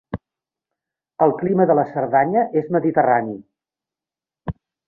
El clima de la Cerdanya és mediterrani.